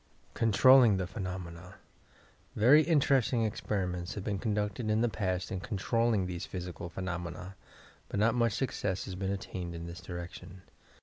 CONTROLLING THE PHENOMENA Very interesting experiments have been conducted in the past in controlling these physical phenomena, but not much success has yet been attained in this direction.